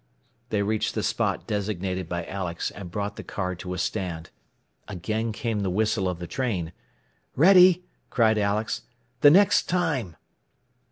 They reached the spot designated by Alex, and brought the car to a stand. Again came the whistle of the train. "Ready!" cried Alex. "The next time!"